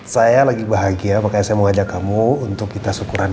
saya lagi bahagia makanya saya mau ajak kamu untuk kita berbicara tentang hal ini ya